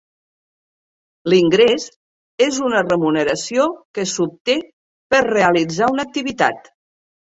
L'ingrés és una remuneració que s'obté per realitzar una activitat.